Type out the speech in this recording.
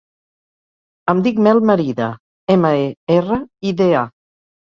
Em dic Mel Merida: ema, e, erra, i, de, a.